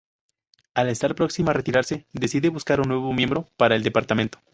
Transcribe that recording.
Al estar próximo a retirarse, decide buscar un nuevo miembro para el departamento.